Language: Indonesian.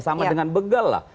sama dengan begal lah